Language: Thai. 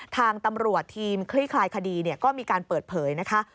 ทางตำรวจทีมคลี่คลายคดีก็มีการเปิดเผยนะคะ